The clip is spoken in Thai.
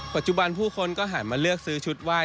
ปัจจุบันผู้คนก็หันมาเลือกซื้อชุดไหว้